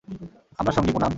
আমরা সঙ্গী, পুনাম।